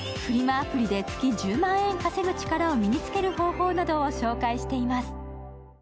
アプリで月１０万円稼ぐ力を身につける方法を紹介しています。